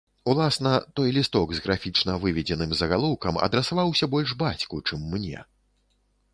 Уласна, той лісток з графічна выведзеным загалоўкам адрасаваўся больш бацьку, чым мне.